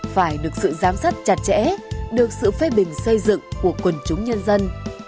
phải được sự giám sát chặt chẽ được sự phê bình xây dựng của quần chúng nhân dân